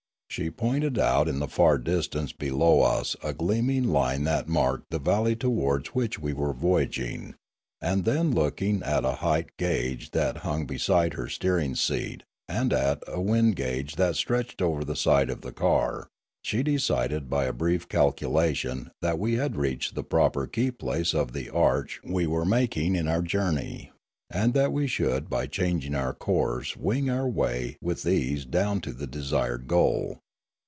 She pointed out in the far distance below us a gleaming line that marked the valley towards which we were voyaging, and then looking at a height gauge that hung beside her steering seat and at a wind gauge that stretched over the side of the car, she decided by a brief calculation that we had reached the proper key place of the arch we were making in our journey, and that we should by chang ing our course wing our way with ease down to the de sired goal.